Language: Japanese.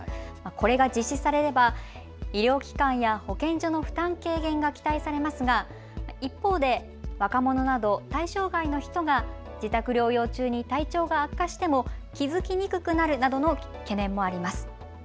これが実施されれば医療機関や保健所の負担軽減が期待されますが一方で若者など対象外の人が自宅療養中に体調が悪化しても気付きにくくなるなどの懸念もあります。